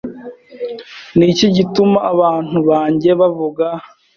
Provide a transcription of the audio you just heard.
Ni iki gituma abantu banjye bavuga